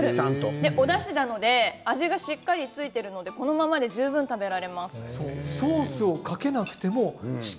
おだしなので味がしっかり付いているのでこのままで十分、食べられます。